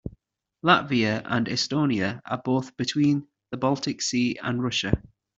Latvia and Estonia are both between the Baltic Sea and Russia.